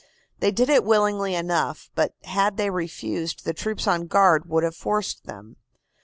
They did it willingly enough, but had they refused the troops on guard would have forced them.